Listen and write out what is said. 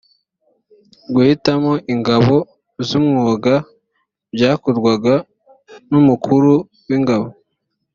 guhitamo ingabo z’umwuga byakorwaga n’umukuru w’ingabo